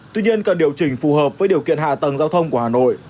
tuy nhiên cần điều chỉnh phù hợp với điều kiện hạ tầng giao thông của hà nội